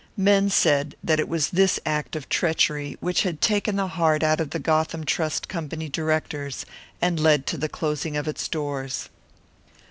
Men said that it was this act of treachery which had taken the heart out of the Gotham Trust Company directors, and led to the closing of its doors.